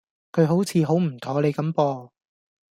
佢好似好唔妥你咁噃